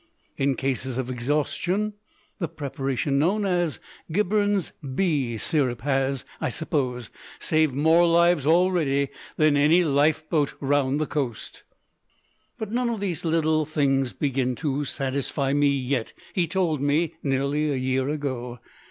In cases of exhaustion the preparation known as Gibberne's B Syrup has, I suppose, saved more lives already than any lifeboat round the coast. "But none of these little things begin to satisfy me yet," he told me nearly a year ago.